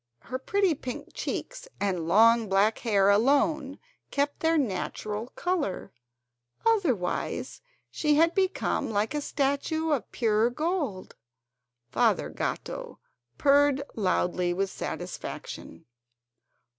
Her pretty pink cheeks and long black hair alone kept their natural colour, otherwise she had become like a statue of pure gold. Father Gatto purred loudly with satisfaction.